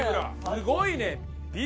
すごいね！